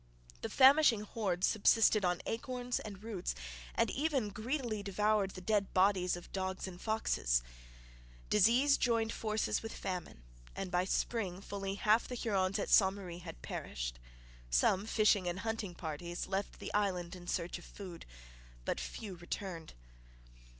The famishing hordes subsisted on acorns and roots, and even greedily devoured the dead bodies of dogs and foxes. Disease joined forces with famine, and by spring fully half the Hurons at Ste Marie had perished. Some fishing and hunting parties left the island in search of food, but few returned.